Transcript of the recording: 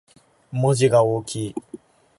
文字が大きい